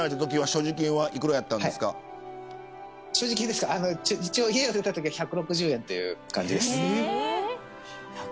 所持金は家を出たときは１６０円という感じです。